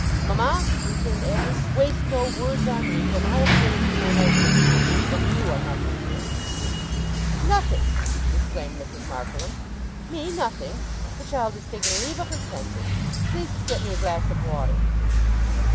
'Mama!' returned Annie. 'Waste no words on me, for my appeal is to my husband, and even you are nothing here.' 'Nothing!' exclaimed Mrs. Markleham. 'Me, nothing! The child has taken leave of her senses. Please to get me a glass of water!